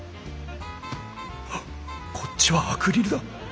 ハッこっちはアクリルだ！